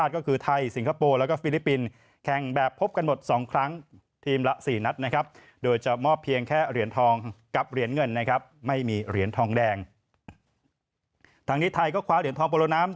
ทางนี้ไทยก็คว้าเหรียญทองโปโลน้ำ